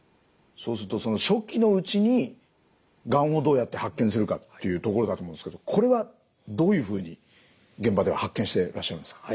そうするとその初期のうちにがんをどうやって発見するかっていうところだと思うんですけどこれはどういうふうに現場では発見してらっしゃるんですか？